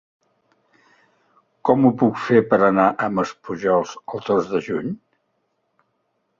Com ho puc fer per anar a Maspujols el dos de juny?